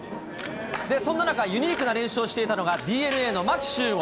そんな中、ユニークな練習をしていたのが、ＤｅＮＡの牧秀悟。